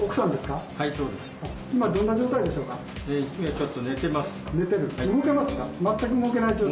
ちょっと寝てます。